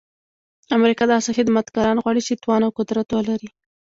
امریکا داسې خدمتګاران غواړي چې توان او قدرت ولري.